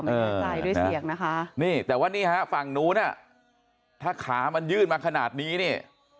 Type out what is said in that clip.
เออใจด้วยเสียงนะคะนี่แต่ว่านี่ฮะฝั่งนู้นอ่ะถ้าขามันยื่นมาขนาดนี้เนี่ย